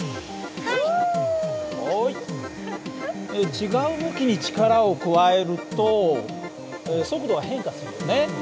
違う向きに力を加えると速度は変化するよね。